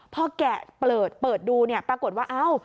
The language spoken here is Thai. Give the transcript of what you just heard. พอแกะเปิดเปิดดูเนี่ยปรากฏว่าเอ้า